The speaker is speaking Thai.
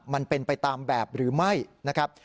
มันเป็นไปตามแบบหรือไม่นะครับ